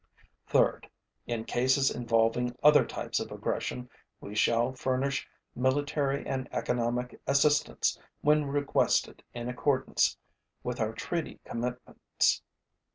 Third, in cases involving other types of aggression we shall furnish military and economic assistance when requested in accordance with our treaty commitments.